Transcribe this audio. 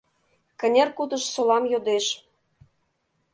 Кынер кутыш солам йодеш.